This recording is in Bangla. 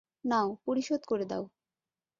নাও, পরিশোধ করে দাও।